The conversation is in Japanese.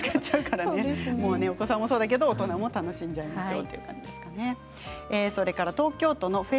お子さんもいいけれども大人も楽しんじゃいましょう。